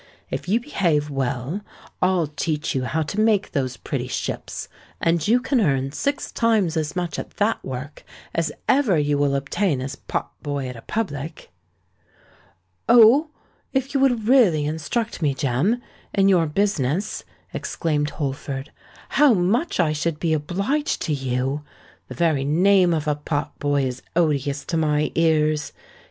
If you behave well, I'll teach you how to make those pretty ships; and you can earn six times as much at that work, as ever you will obtain as pot boy at a public." "Oh! if you would really instruct me, Jem, in your business," exclaimed Holford, "how much I should be obliged to you! The very name of a pot boy is odious to my ears.